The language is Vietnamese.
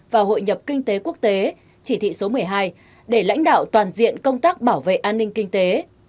và hội nhập kinh tế quốc tế chỉ thị số một mươi hai để lãnh đạo toàn diện công tác bảo vệ an ninh kinh tế